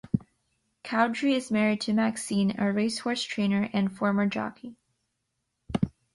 Cowdrey is married to Maxine, a racehorse trainer and former jockey.